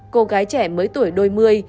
cô gái trẻ mới tuổi đôi mươi